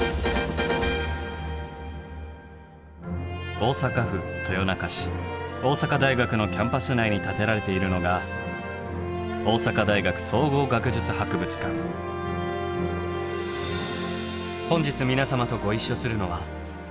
大阪府豊中市大阪大学のキャンパス内に建てられているのが本日皆様とご一緒するのは。